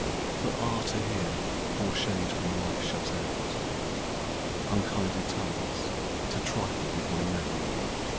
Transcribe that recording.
For ah ! to hear, poor shade from life shut out. Unkindly tongues to trifle with my name.